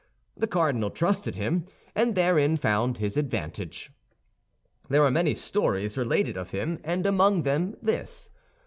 The cardinal trusted him, and therein found his advantage. There are many stories related of him, and among them this.